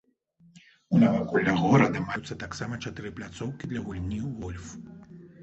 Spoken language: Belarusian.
У наваколлях горада маюцца таксама чатыры пляцоўкі для гульні ў гольф.